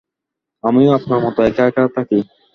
আমিও আপনার মতো একা-একা থাকি।